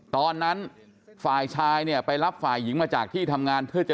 ตอนนั้นฝ่ายชายเนี่ยไปรับฝ่ายหญิงมาจากที่ทำงานเพื่อจะ